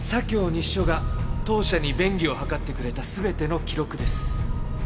西署が当社に便宜を図ってくれた全ての記録です。